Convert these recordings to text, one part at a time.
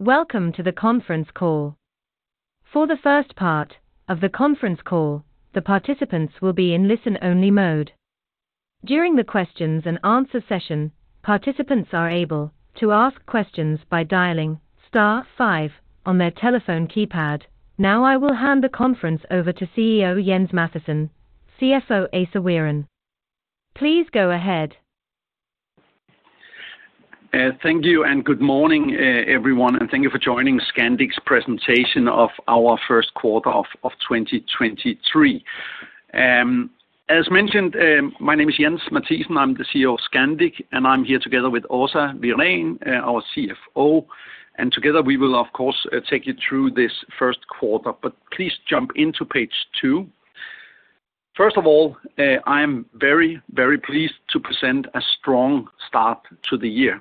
Welcome to the conference call. For the first part of the conference call, the participants will be in listen-only mode. During the questions-and-answer session, participants are able to ask questions by dialing star five on their telephone keypad. Now, I will hand the conference over to CEO Jens Mathiesen, CFO Åsa Wirén. Please go ahead. Thank you, good morning, everyone, and thank you for joining Scandic's presentation of our first quarter of 2023. As mentioned, my name is Jens Mathiesen, I'm the CEO of Scandic, and I'm here together with Åsa Wirén, our CFO. Together, we will of course take you through this first quarter. Please jump into page two. First of all, I am very pleased to present a strong start to the year.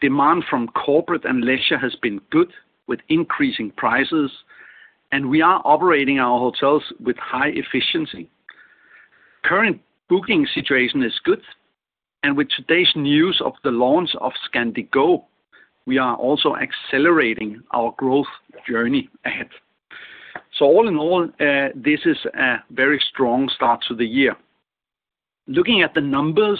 Demand from corporate and leisure has been good, with increasing prices, and we are operating our hotels with high efficiency. Current booking situation is good, and with today's news of the launch of Scandic Go, we are also accelerating our growth journey ahead. All in all, this is a very strong start to the year. Looking at the numbers,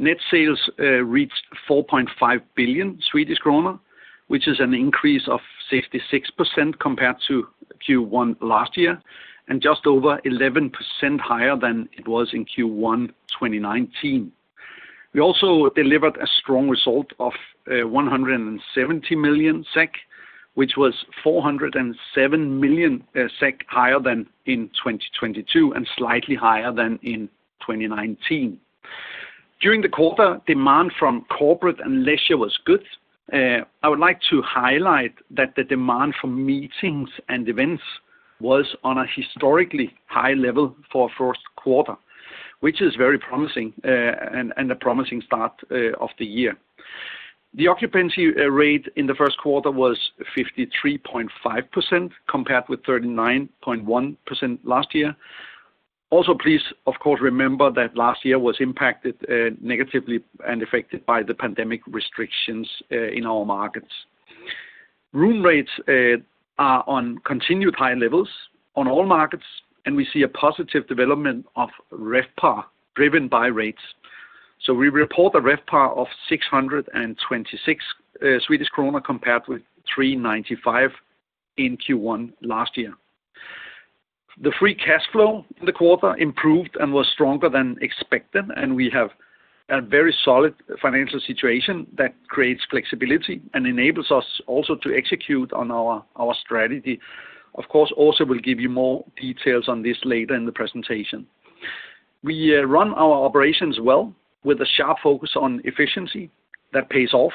net sales reached 4.5 billion Swedish kronor, which is an increase of 66% compared to Q1 last year, and just over 11% higher than it was in Q1 2019. We also delivered a strong result of 170 million SEK, which was 407 million SEK higher than in 2022 and slightly higher than in 2019. During the quarter, demand from corporate and leisure was good. I would like to highlight that the demand for meetings and events was on a historically high level for a first quarter, which is very promising and a promising start of the year. The occupancy rate in the first quarter was 53.5%, compared with 39.1% last year. Please, of course, remember that last year was impacted negatively and affected by the pandemic restrictions in our markets. Room rates are on continued high levels on all markets, and we see a positive development of RevPAR driven by rates. We report a RevPAR of 626 Swedish kronor, compared with 395 in Q1 last year. The free cash flow in the quarter improved and was stronger than expected, and we have a very solid financial situation that creates flexibility and enables us also to execute on our strategy. Of course, Åsa will give you more details on this later in the presentation. We run our operations well with a sharp focus on efficiency that pays off,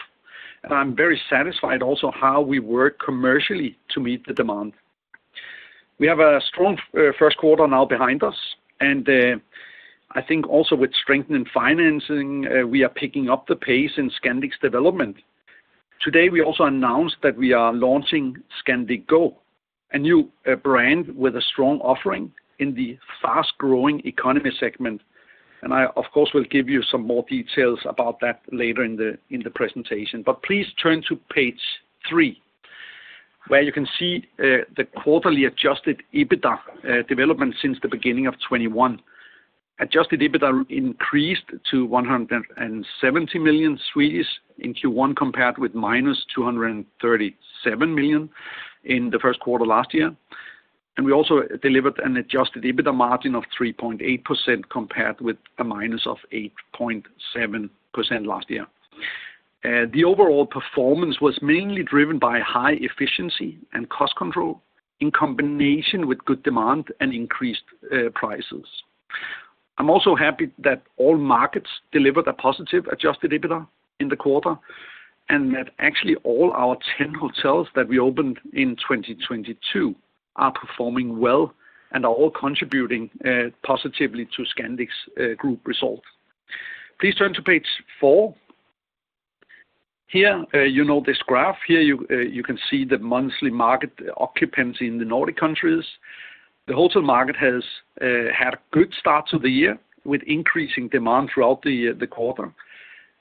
and I'm very satisfied also how we work commercially to meet the demand. We have a strong first quarter now behind us, and I think also with strength in financing, we are picking up the pace in Scandic's development. Today, we also announced that we are launching Scandic Go, a new brand with a strong offering in the fast-growing economy segment, and I of course will give you some more details about that later in the presentation. Please turn to page three, where you can see the quarterly adjusted EBITDA development since the beginning of 2021. Adjusted EBITDA increased to 170 million in Q1, compared with -237 million in the first quarter last year. We also delivered an adjusted EBITDA margin of 3.8%, compared with a -8.7% last year. The overall performance was mainly driven by high efficiency and cost control in combination with good demand and increased prices. I'm also happy that all markets delivered a positive adjusted EBITDA in the quarter, and that actually all our 10 hotels that we opened in 2022 are performing well and are all contributing positively to Scandic's group results. Please turn to page four. Here, you know this graph. Here, you can see the monthly market occupancy in the Nordic countries. The hotel market has had a good start to the year, with increasing demand throughout the quarter.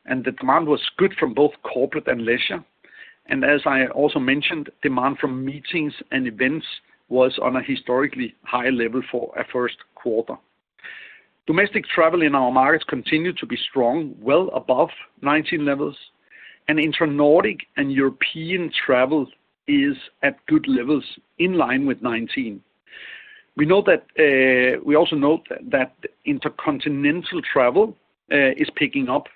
The demand was good from both corporate and leisure. As I also mentioned, demand from meetings and events was on a historically high level for a first quarter. Domestic travel in our markets continued to be strong, well above 2019 levels, and intra-Nordic and European travel is at good levels, in line with 19. We know that we also note that intercontinental travel is picking up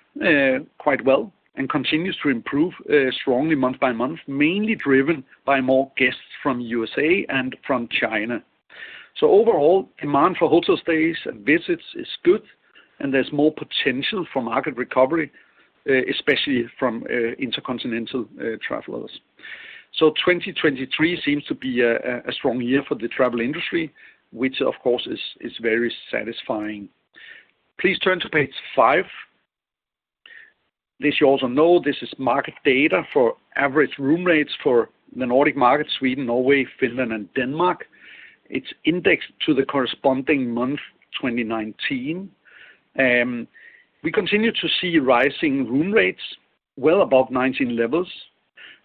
quite well and continues to improve strongly month by month, mainly driven by more guests from the USA and from China. Overall, demand for hotel stays and visits is good, and there's more potential for market recovery, especially from intercontinental travellers. So, 2023 seems to be a strong year for the travel industry, which of course is very satisfying. Please turn to page five. This you also know. This is market data for average room rates for the Nordic market, Sweden, Norway, Finland, and Denmark. It's indexed to the corresponding month, 2019. We continue to see rising room rates well above 2019 levels.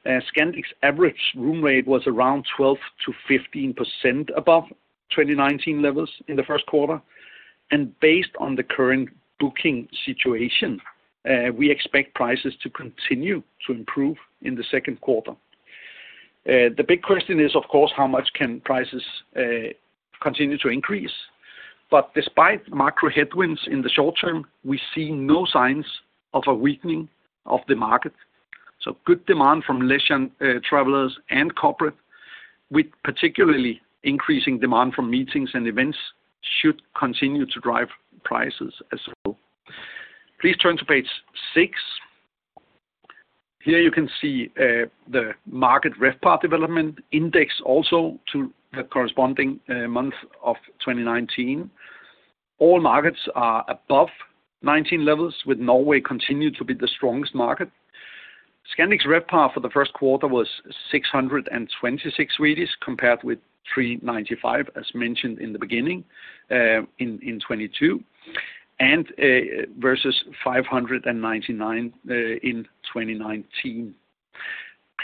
Scandic's average room rate was around 12%-15% above 2019 levels in the first quarter. Based on the current booking situation, we expect prices to continue to improve in the second quarter. The big question is, of course, how much can prices continue to increase? Despite macro headwinds in the short term, we see no signs of a weakening of the market. Good demand from leisure travellers and corporate, with particularly increasing demand from meetings and events should continue to drive prices as well. Please turn to page six. Here you can see the market RevPAR development index also to the corresponding month of 2019. All markets are above 2019 levels, with Norway continuing to be the strongest market. Scandic's RevPAR for the first quarter was 626, compared with 395, as mentioned in the beginning, in 2022, and versus 599 in 2019.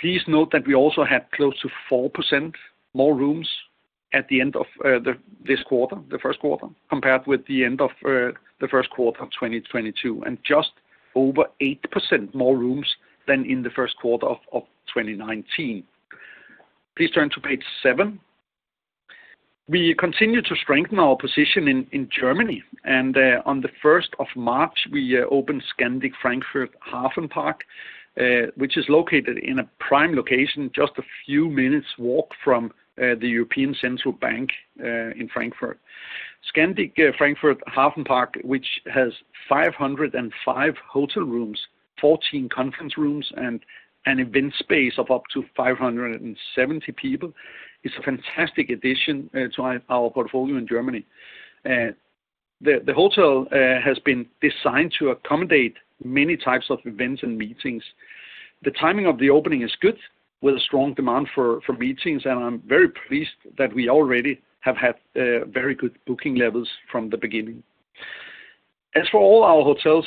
Please note that we also had close to 4% more rooms at the end of this quarter, the first quarter, compared with the end of the first quarter of 2022, and just over 8% more rooms than in the first quarter of 2019. Please turn to page seven. We continue to strengthen our position in Germany. On the first of March, we opened Scandic Frankfurt Hafenpark, which is located in a prime location, just a few minutes walk from the European Central Bank in Frankfurt. Scandic Frankfurt Hafenpark, which has 505 hotel rooms, 14 conference rooms, and an event space of up to 570 people, is a fantastic addition to our portfolio in Germany. The hotel has been designed to accommodate many types of events and meetings. The timing of the opening is good, with a strong demand for meetings, and I'm very pleased that we already have had very good booking levels from the beginning. As for all our hotels,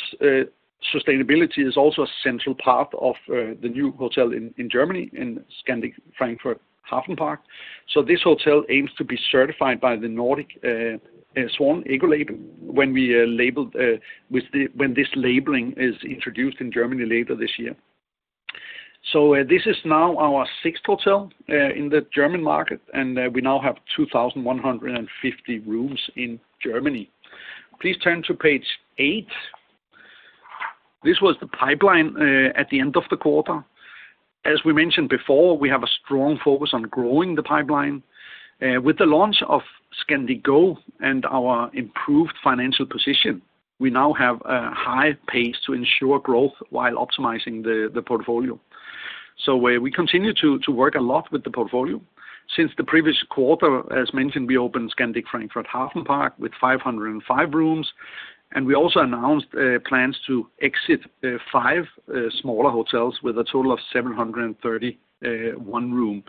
sustainability is also a central part of the new hotel in Germany, in Scandic Frankfurt Hafenpark. This hotel aims to be certified by the Nordic Swan Ecolabel when we label when this labeling is introduced in Germany later this year. This is now our sixth hotel in the German market, and we now have 2,150 rooms in Germany. Please turn to page eight. This was the pipeline at the end of the quarter. As we mentioned before, we have a strong focus on growing the pipeline. With the launch of Scandic Go and our improved financial position, we now have a high pace to ensure growth while optimizing the portfolio. We continue to work a lot with the portfolio. Since the previous quarter, as mentioned, we opened Scandic Frankfurt Hafenpark with 505 rooms, and we also announced plans to exit five smaller hotels with a total of 731 room.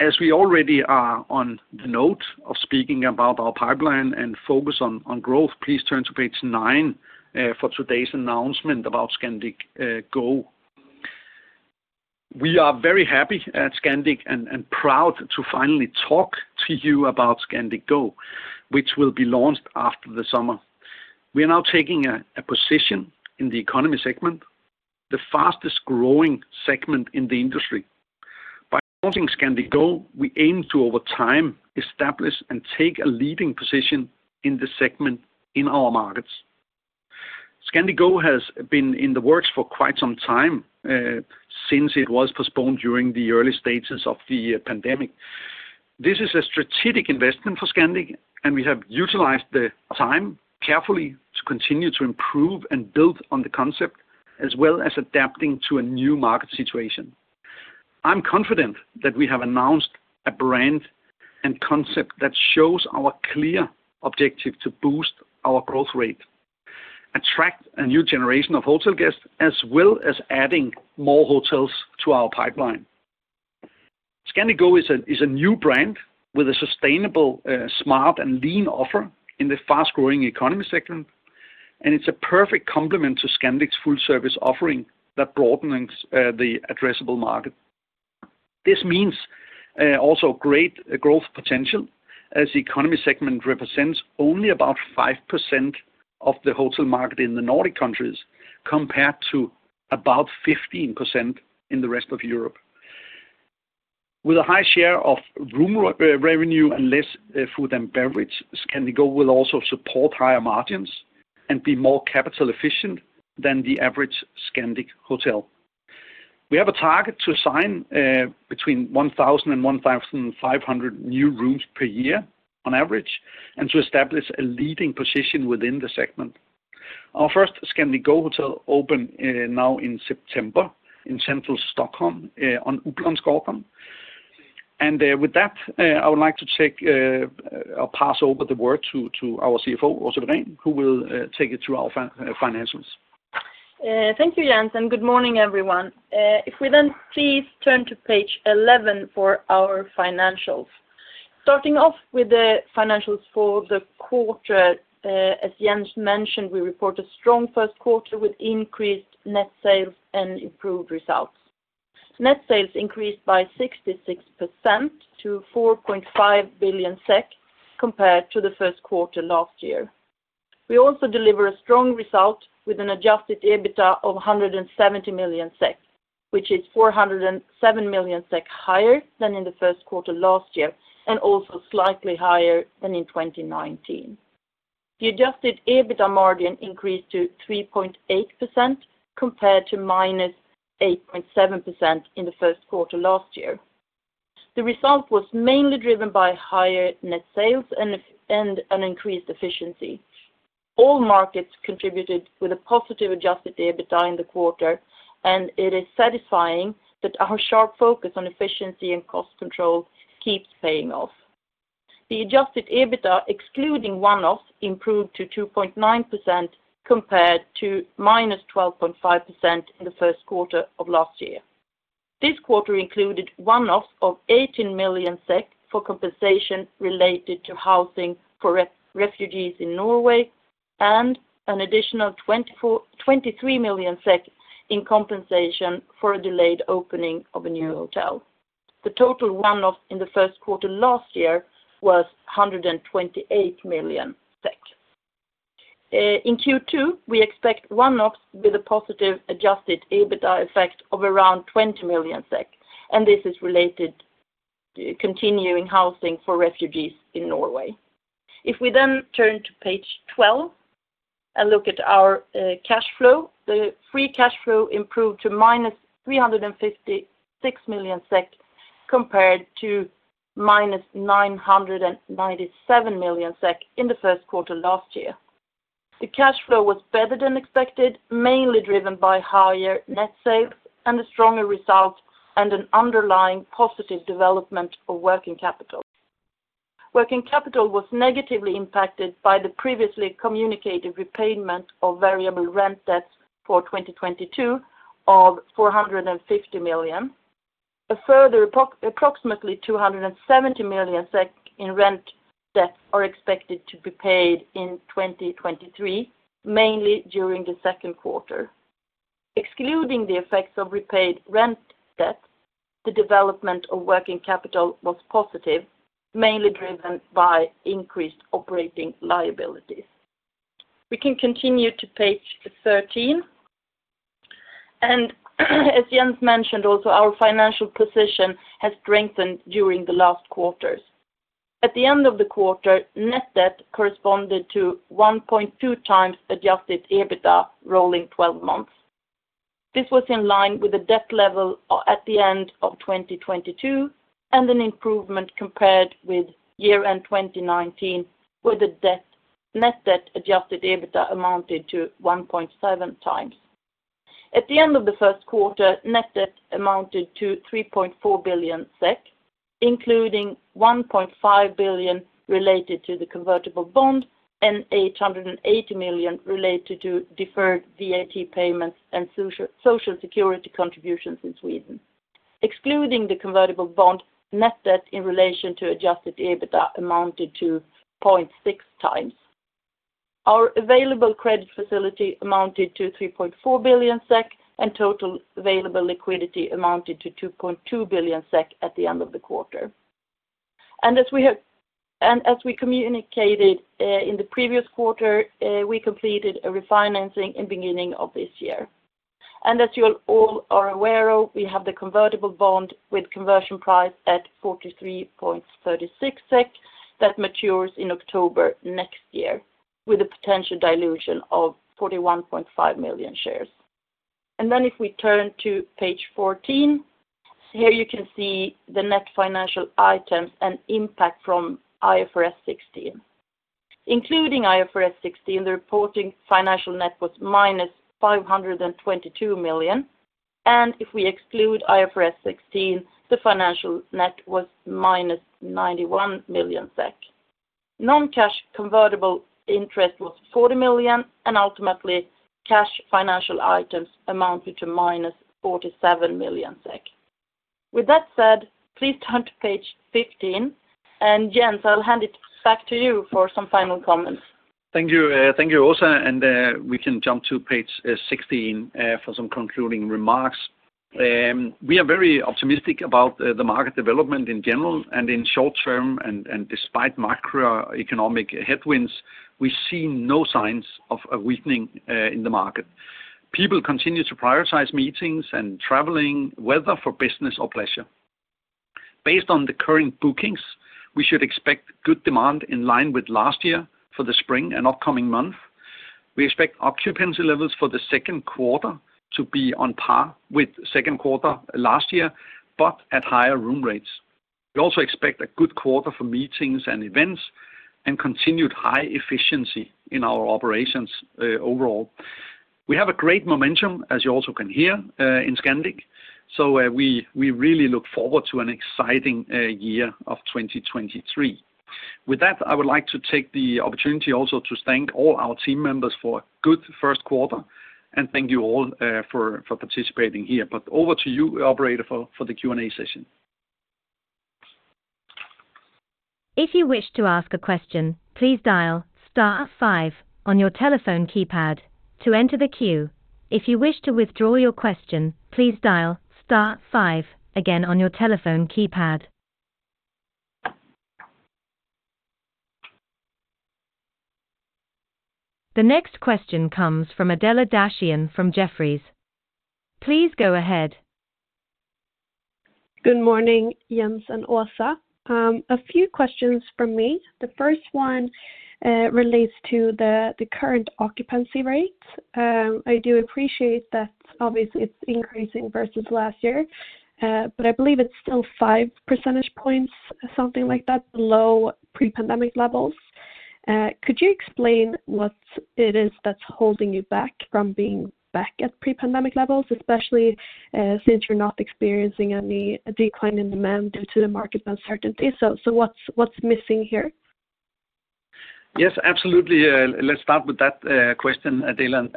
As we already are on the note of speaking about our pipeline and focus on growth, please turn to page nine for today's announcement about Scandic Go. We are very happy at Scandic and proud to finally talk to you about Scandic Go, which will be launched after the summer. We are now taking a position in the economy segment, the fastest-growing segment in the industry. By launching Scandic Go, we aim to, over time, establish and take a leading position in this segment in our markets. Scandic Go has been in the works for quite some time, since it was postponed during the early stages of the pandemic. This is a strategic investment for Scandic, and we have utilized the time carefully to continue to improve and build on the concept, as well as adapting to a new market situation. I'm confident that we have announced a brand and concept that shows our clear objective to boost our growth rate, attract a new generation of hotel guests, as well as adding more hotels to our pipeline. Scandic Go is a new brand with a sustainable, smart and lean offer in the fast-growing economy segment, and it's a perfect complement to Scandic's full-service offering that broadens the addressable market. This means also great growth potential, as the economy segment represents only about 5% of the hotel market in the Nordic countries, compared to about 15% in the rest of Europe. With a high share of room revenue and less food and beverage, Scandic Go will also support higher margins and be more capital efficient than the average Scandic hotel. We have a target to sign between 1,000 and 1,500 new rooms per year on average and to establish a leading position within the segment. Our first Scandic Go hotel open now in September in central Stockholm on Upplandsgatan. With that, I would like to take or pass over the word to our CFO, Åsa Wirén, who will take you through our financials. Thank you, Jens, and good morning, everyone. If we please turn to page 11 for our financials. Starting off with the financials for the quarter, as Jens mentioned, we report a strong first quarter with increased net sales and improved results. Net sales increased by 66% to 4.5 billion SEK compared to the first quarter last year. We also deliver a strong result with an adjusted EBITA of 170 million SEK, which is 407 million SEK higher than in the first quarter last year, and also slightly higher than in 2019. The adjusted EBITA margin increased to 3.8% compared to -8.7% in the first quarter last year. The result was mainly driven by higher net sales and an increased efficiency. All markets contributed with a positive adjusted EBITA in the quarter. It is satisfying that our sharp focus on efficiency and cost control keeps paying off. The adjusted EBITA, excluding one-offs, improved to 2.9% compared to -12.5% in the first quarter of last year. This quarter included one-offs of 18 million SEK for compensation related to housing for refugees in Norway and an additional 23 million SEK in compensation for a delayed opening of a new hotel. The total one-off in the first quarter last year was 128 million SEK. In Q2, we expect one-offs with a positive adjusted EBITA effect of around 20 million SEK. This is related to continuing housing for refugees in Norway. Turning to page 12 and looking at our cash flow, the free cash flow improved to -356 million SEK compared to -997 million SEK in the first quarter last year. The cash flow was better than expected, mainly driven by higher net sales and a stronger result and an underlying positive development for working capital. Working capital was negatively impacted by the previously communicated repayment of variable rent debts for 2022 of 450 million. A further approximately 270 million SEK in rent debts are expected to be paid in 2023, mainly during the second quarter. Excluding the effects of repaid rent debts, the development of working capital was positive, mainly driven by increased operating liabilities. We can continue to page 13. As Jens mentioned also, our financial position has strengthened during the last quarters. At the end of the quarter, net debt corresponded to 1.2 times adjusted EBITA rolling 12 months. This was in line with the debt level at the end of 2022 and an improvement compared with year-end 2019, where net debt adjusted EBITA amounted to 1.7 times. At the end of the first quarter, net debt amounted to 3.4 billion SEK, including 1.5 billion SEK related to the convertible bond and 880 million SEK related to deferred VAT payments and social security contributions in Sweden. Excluding the convertible bond, net debt in relation to adjusted EBITA amounted to 0.6 times. Our available credit facility amounted to 3.4 billion SEK, and total available liquidity amounted to 2.2 billion SEK at the end of the quarter. As we communicated in the previous quarter, we completed a refinancing in beginning of this year. As you all are aware of, we have the convertible bond with conversion price at 43.36 SEK that matures in October next year with a potential dilution of 41.5 million shares. If we turn to page 14, here you can see the net financial items and impact from IFRS 16. Including IFRS 16, the reporting financial net was -522 million. If we exclude IFRS 16, the financial net was -91 million SEK. Non-cash convertible interest was 40 million, and ultimately, cash financial items amounted to -47 million SEK. With that said, please turn to page 15. Jens, I'll hand it back to you for some final comments. Thank you. Thank you, Åsa, and we can jump to page 16 for some concluding remarks. We are very optimistic about the market development in general and in short term. Despite macroeconomic headwinds, we see no signs of a weakening in the market. People continue to prioritize meetings and traveling, whether for business or pleasure. Based on the current bookings, we should expect good demand in line with last year for the spring and upcoming month. We expect occupancy levels for the second quarter to be on par with second quarter last year, but at higher room rates. We also expect a good quarter for meetings and events and continued high efficiency in our operations overall. We have a great momentum, as you also can hear, in Scandic, so we really look forward to an exciting year of 2023. With that, I would like to take the opportunity also to thank all our team members for a good first quarter and thank you all for participating here. Over to you, operator, for the Q&A session. If you wish to ask a question, please dial star five on your telephone keypad to enter the queue. If you wish to withdraw your question, please dial star five again on your telephone keypad. The next question comes from Adela Dashian from Jefferies. Please go ahead. Good morning, Jens and Åsa. A few questions from me. The first one relates to the current occupancy rate. I do appreciate that obviously it's increasing versus last year. I believe it's still five percentage points, something like that, below pre-pandemic levels. Could you explain what it is that's holding you back from being back at pre-pandemic levels, especially since you're not experiencing any decline in demand due to the market uncertainty? What's missing here? Yes, absolutely. Let's start with that question, Adela.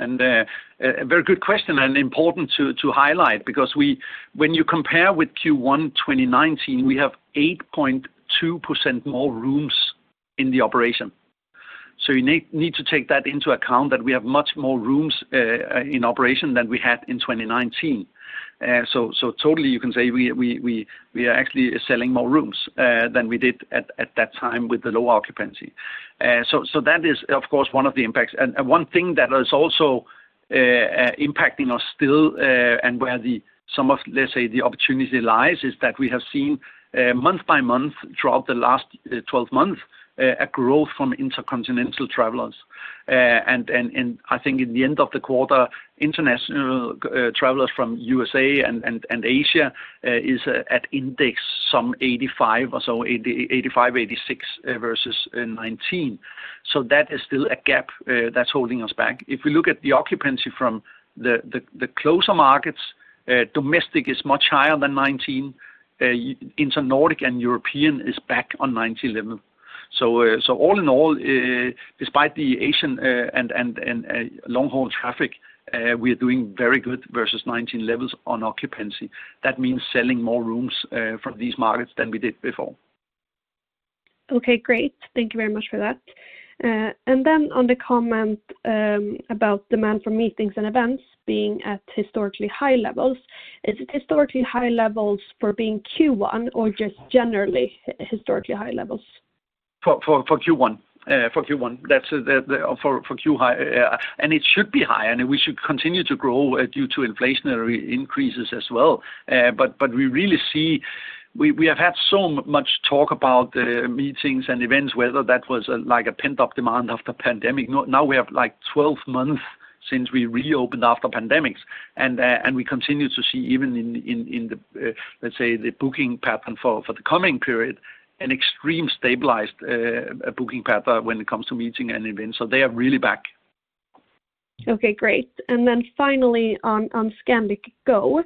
A very good question and important to highlight because when you compare with Q1 2019, we have 8.2% more rooms in the operation. You need to take that into account that we have much more rooms in operation than we had in 2019. Totally you can say we are actually selling more rooms than we did at that time with the lower occupancy. That is of course one of the impacts. One thing that is also impacting us still, and where the sum of, let's say, the opportunity lies is that we have seen month by month throughout the last 12 months a growth from intercontinental travelers. And I think in the end of the quarter, international travelers from USA and Asia is at index some 85 or so, 85 to 86 versus 2019. That is still a gap that's holding us back. If we look at the occupancy from the closer markets, domestic is much higher than 2019. Inter-Nordic and European is back on 2019 level. All in all, despite the Asian and long-haul traffic, we are doing very good versus 2019 levels on occupancy. That means selling more rooms from these markets than we did before. Okay, great. Thank you very much for that. On the comment about demand for meetings and events being at historically high levels, is it historically high levels for being Q1 or just generally historically high levels? For Q1. For Q1. That's the for Q high. Yeah. It should be high, and we should continue to grow due to inflationary increases as well. We really see. We have had so much talk about meetings and events, whether that was like a pent-up demand after pandemic. Now we have, like, 12 months since we reopened after pandemics, we continue to see even in the, let's say, the booking pattern for the coming period, an extreme stabilized booking pattern when it comes to meeting and events. They are really back. Okay, great. Finally on Scandic Go,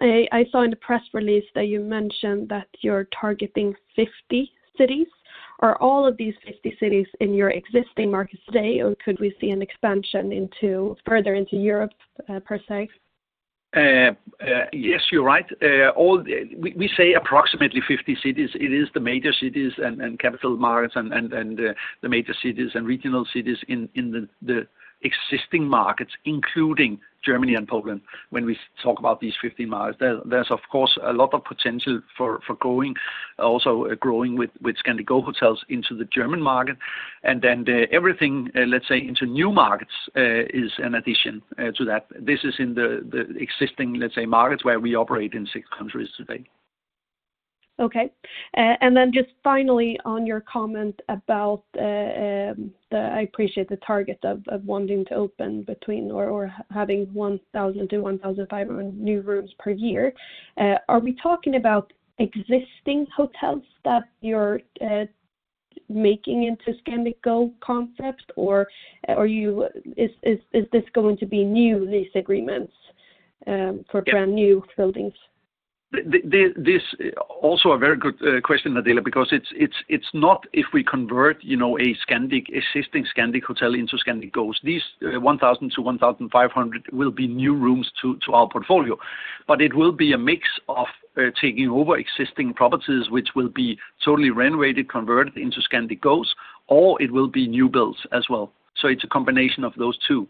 I saw in the press release that you mentioned that you're targeting 50 cities. Are all of these 50 cities in your existing markets today, or could we see an expansion further into Europe, per se? Yes, you're right. We say approximately 50 cities. It is the major cities and capital markets and the major cities and regional cities in the existing markets, including Germany and Poland when we talk about these 50 markets. There's of course a lot of potential for growing, also growing with Scandic Go hotels into the German market. The everything, let's say, into new markets is an addition to that. This is in the existing, let's say, markets where we operate in six countries today. Just finally on your comment about I appreciate the target of wanting to open between or having 1,000 to 1,500 new rooms per year. Are we talking about existing hotels that you're making into Scandic Go concept? Or is this going to be new lease agreements for brand-new buildings? This also a very good question, Adela, because it's not if we convert, you know, a Scandic, existing Scandic hotel into Scandic Go's. These 1,000 to 1,500 will be new rooms to our portfolio. It will be a mix of taking over existing properties, which will be totally renovated, converted into Scandic Go's, or it will be new builds as well. It's a combination of those two.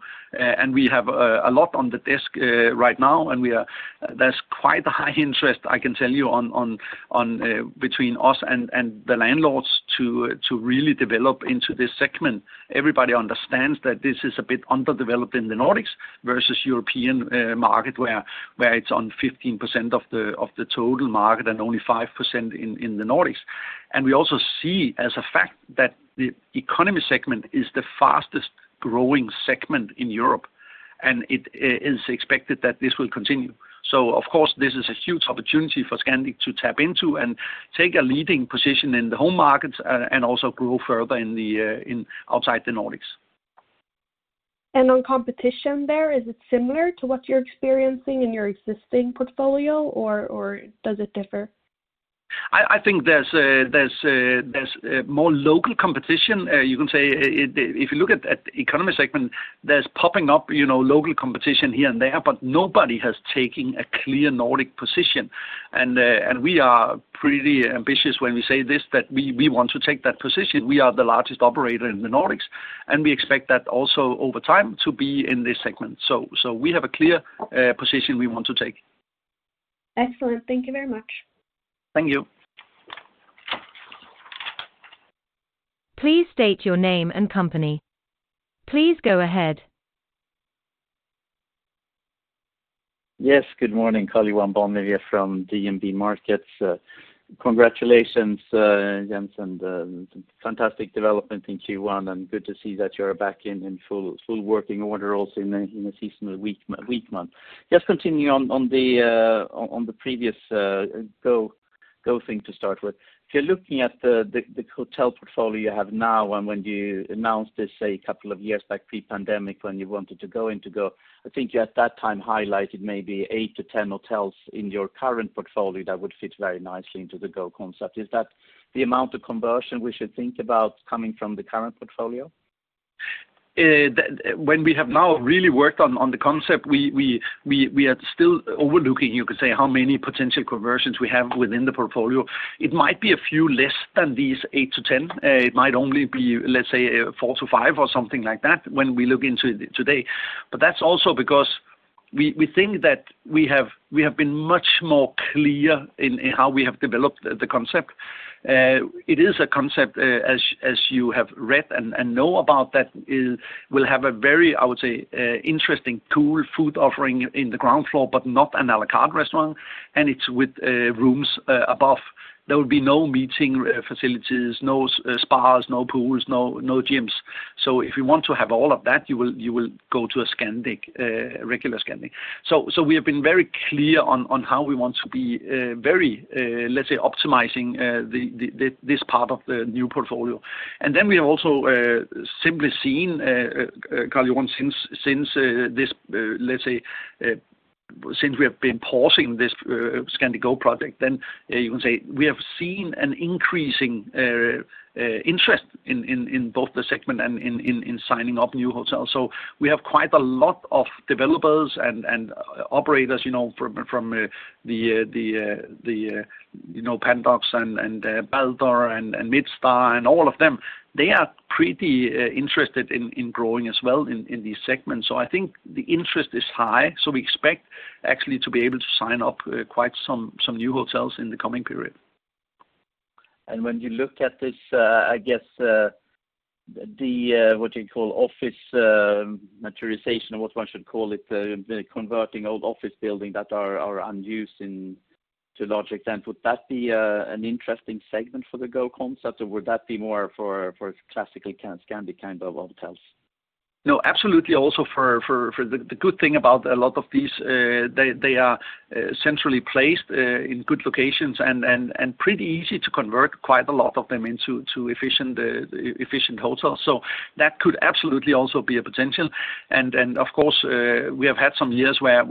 We have a lot on the desk right now, and there's quite a high interest, I can tell you, on between us and the landlords to really develop into this segment. Everybody understands that this is a bit underdeveloped in the Nordics versus European market, where it's on 15% of the total market and only 5% in the Nordics. We also see as a fact that the economy segment is the fastest-growing segment in Europe, and it is expected that this will continue. Of course, this is a huge opportunity for Scandic to tap into and take a leading position in the home markets and also grow further outside the Nordics. On competition there, is it similar to what you're experiencing in your existing portfolio or does it differ? I think there's a more local competition. You can say if you look at the economy segment that's popping up, you know, local competition here and there, but nobody has taken a clear Nordic position. We are pretty ambitious when we say this, that we want to take that position. We are the largest operator in the Nordics, and we expect that also over time to be in this segment. We have a clear position we want to take. Excellent. Thank you very much. Thank you. Please state your name and company. Please go ahead. Yes. Good morning. Karl-Johan Bonnevier from DNB Markets. Congratulations, Jens, and fantastic development in Q1, and good to see that you're back in full working order also in a seasonal weak month. Just continuing on the on the previous Scandic Go thing to start with. If you're looking at the hotel portfolio you have now and when you announced this, say, a couple of years back pre-pandemic when you wanted to go into Scandic Go, I think you at that time highlighted maybe eight to 10 hotels in your current portfolio that would fit very nicely into the Scandic Go concept. Is that the amount of conversion we should think about coming from the current portfolio? When we have now really worked on the concept, we are still overlooking, you could say, how many potential conversions we have within the portfolio. It might be a few less than these eight to 10. It might only be, let's say, four to five or something like that when we look into it today. That's also because we think that we have been much more clear in how we have developed the concept. It is a concept, as you have read and know about that will have a very, I would say, interesting cool food offering in the ground floor, but not an à la carte restaurant, and it's with rooms above. There will be no meeting facilities, no spas, no pools, no gyms. If you want to have all of that, you will go to a Scandic, regular Scandic. We have been very clear on how we want to be very, let's say, optimizing this part of the new portfolio. We have also simply seen Karl-Johan, since this, let's say, since we have been pausing this Scandic Go project, then you can say we have seen an increasing interest in both the segment and in signing up new hotels. We have quite a lot of developers and operators, you know, from the Pandox AB and Fastighets AB Balder and Midstar and all of them, they are pretty interested in growing as well in these segments. I think the interest is high. We expect actually to be able to sign up quite some new hotels in the coming period. When you look at this, I guess, the, what you call office, maturization or what one should call it, the converting old office building that are unused in to larger extent, would that be an interesting segment for the Scandic Go concept, or would that be more for classical Scandic kind of hotels? No, absolutely also for the good thing about a lot of these, they are centrally placed in good locations and pretty easy to convert quite a lot of them into efficient hotels. That could absolutely also be a potential. Of course, we have had some years where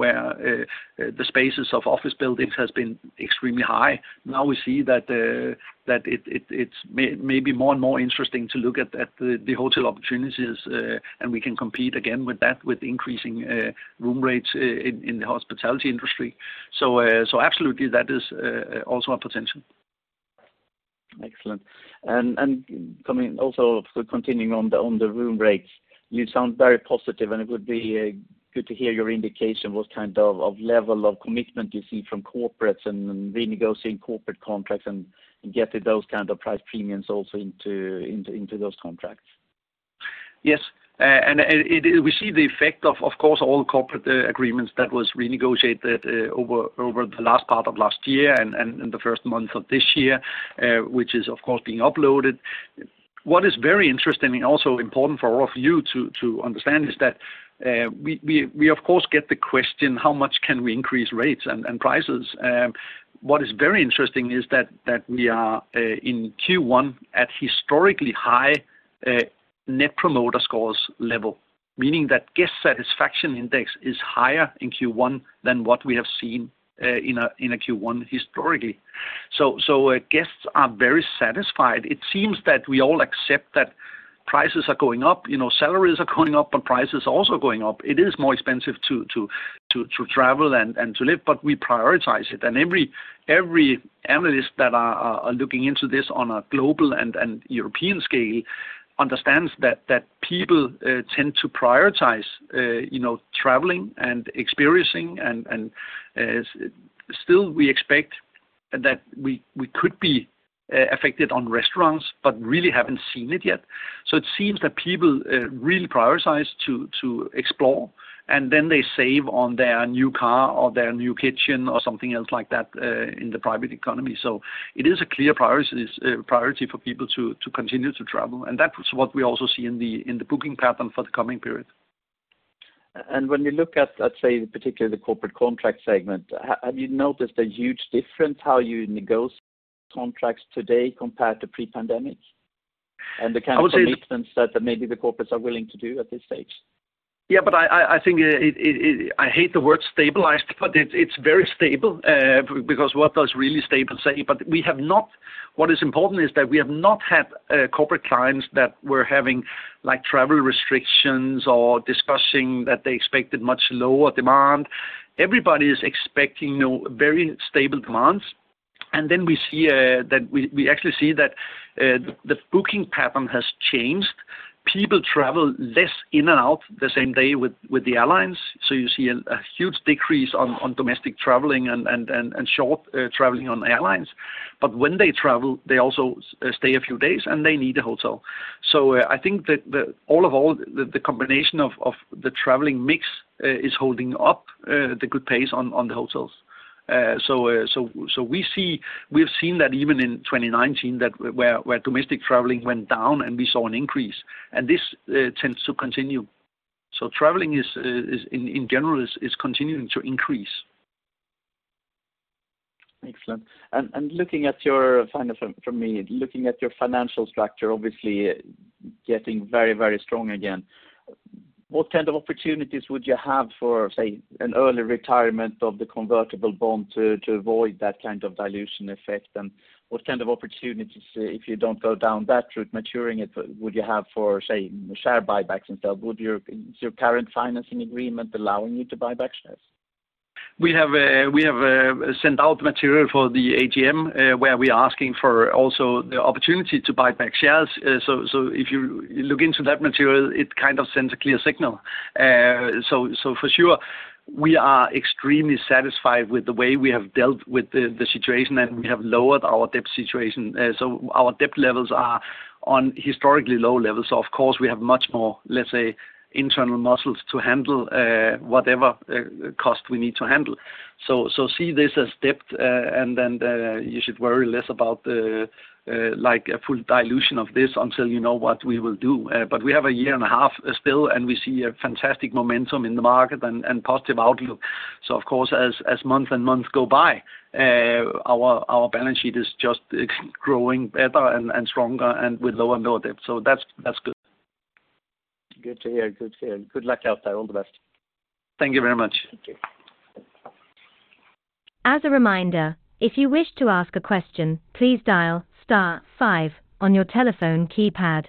the spaces of office buildings has been extremely high. We see that it's maybe more and more interesting to look at the hotel opportunities, and we can compete again with that, with increasing room rates in the hospitality industry. Absolutely that is also a potential. Excellent. Coming also for continuing on the room rates, you sound very positive, and it would be good to hear your indication what kind of level of commitment you see from corporates and renegotiating corporate contracts and getting those kind of price premiums also into those contracts. Yes. We see the effect of course, all corporate agreements that was renegotiated over the last part of last year and in the first months of this year, which is of course being uploaded. What is very interesting and also important for all of you to understand is that, we of course get the question, how much can we increase rates and prices? What is very interesting is that we are in Q1 at historically high Net Promoter Score level, meaning that guest satisfaction index is higher in Q1 than what we have seen in a Q1 historically. Guests are very satisfied. It seems that we all accept that prices are going up. You know, salaries are going up, but prices also going up. It is more expensive to travel and to live, but we prioritize it. Every analyst that are looking into this on a global and European scale understands that people tend to prioritize, you know, traveling and experiencing. Still we expect that we could be affected on restaurants, but really haven't seen it yet. It seems that people really prioritize to explore, and then they save on their new car or their new kitchen or something else like that in the private economy. It is a clear priority for people to continue to travel. That was what we also see in the booking pattern for the coming period. When you look at, let's say, particularly the corporate contract segment, have you noticed a huge difference how you negotiate contracts today compared to pre-pandemic? The kind of commitments that maybe the corporates are willing to do at this stage? Yeah, I think I hate the word stabilized, but it's very stable, because what does really stable say? What is important is that we have not had corporate clients that were having, like, travel restrictions or discussing that they expected much lower demand. Everybody is expecting, you know, very stable demands. Then we see that we actually see that the booking pattern has changed. People travel less in and out the same day with the airlines, so you see a huge decrease on domestic traveling and short traveling on airlines. When they travel, they also stay a few days, and they need a hotel. I think that the combination of the traveling mix is holding up the good pace on the hotels. We've seen that even in 2019 that where domestic traveling went down, and we saw an increase. This tends to continue. Traveling is, in general, is continuing to increase. Excellent. Looking at your, kind of from me, looking at your financial structure, obviously getting very, very strong again. What kind of opportunities would you have for, say, an early retirement of the convertible bond to avoid that kind of dilution effect? What kind of opportunities, if you don't go down that route, maturing it, would you have for, say, share buybacks instead? Is your current financing agreement allowing you to buy back shares? We have sent out material for the AGM, where we're asking for also the opportunity to buy back shares. If you look into that material, it kind of sends a clear signal. For sure, we are extremely satisfied with the way we have dealt with the situation, and we have lowered our debt situation. Our debt levels are on historically low levels. Of course, we have much more, let's say, internal muscles to handle whatever cost we need to handle. See this as debt, and then you should worry less about the like a full dilution of this until you know what we will do. We have a year and a half still, and we see a fantastic momentum in the market and positive outlook. Of course, as months go by, our balance sheet is just growing better and stronger and with lower debt. That's good. Good to hear. Good to hear. Good luck out there. All the best. Thank you very much. Thank you. As a reminder, if you wish to ask a question, please dial star five on your telephone keypad.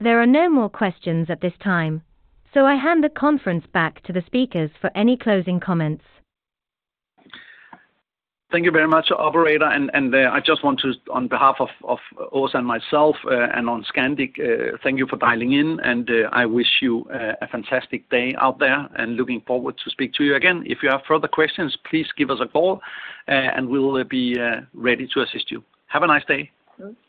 There are no more questions at this time. I hand the conference back to the speakers for any closing comments. Thank you very much, operator. I just want to, on behalf of Åsa and myself, and on Scandic, thank you for dialing in, and I wish you a fantastic day out there and looking forward to speak to you again. If you have further questions, please give us a call, and we'll be ready to assist you. Have a nice day. Bye.